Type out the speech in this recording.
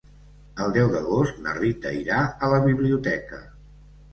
El deu d'agost na Rita irà a la biblioteca.